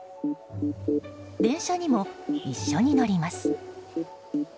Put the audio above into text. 電車にも一緒に乗ります。